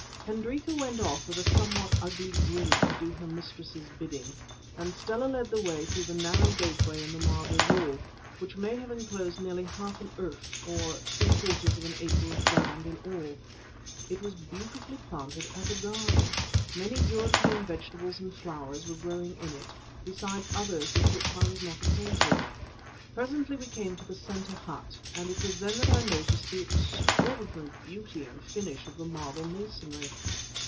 Hendrika went off with a somewhat ugly grin to do her mistress's bidding, and Stella led the way through the narrow gateway in the marble wall, which may have enclosed nearly half an "erf," or three quarters of an acre of ground in all. It was beautifully planted as a garden, many European vegetables and flowers were growing in it, besides others with which I was not acquainted. Presently we came to the centre hut, and it was then that I noticed the extraordinary beauty and finish of the marble masonry.